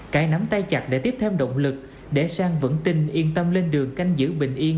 cải nắm tay chặt để tiếp thêm động lực để sang vững tin yên tâm lên đường canh giữ bình yên